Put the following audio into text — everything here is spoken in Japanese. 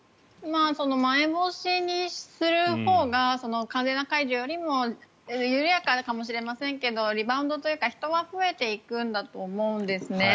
まん延防止にするほうが完全な解除よりも緩やかかもしれませんがリバウンドというか人は増えていくと思うんですね。